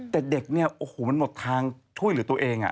แต่เด็กเนี่ยโอ้โหมันหมดทางช่วยเหลือตัวเอง